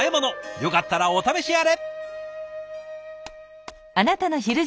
よかったらお試しあれ！